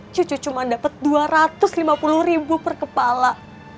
cucu cuma dapat dua ratus lima puluh ribu per kepala